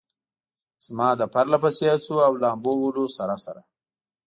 زما له پرله پسې هڅو او لامبو وهلو سره سره.